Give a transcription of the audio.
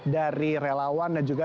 dari relawan dan juga